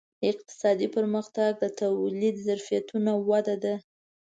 اقتصادي پرمختګ د تولیدي ظرفیتونو وده ده.